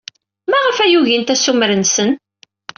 Maɣef ay ugint assumer-nsen?